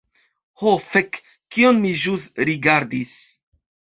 Ho fek, kion mi ĵus rigardis?